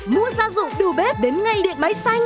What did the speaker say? mua gia dụng đồ bếp đến ngay điện máy xanh